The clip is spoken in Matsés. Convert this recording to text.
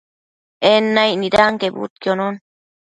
En naicnid anquebudquionon